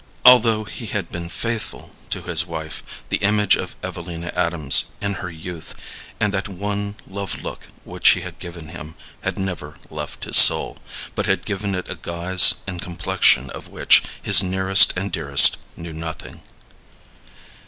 Although he had been faithful to his wife, the image of Evelina Adams in her youth, and that one love look which she had given him, had never left his soul, but had given it a guise and complexion of which his nearest and dearest knew nothing.